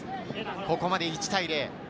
ここまで１対０。